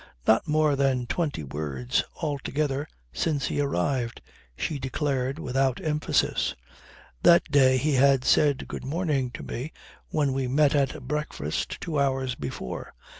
"Not more than twenty words altogether since he arrived," she declared without emphasis. "That day he had said 'Good morning' to me when we met at breakfast two hours before.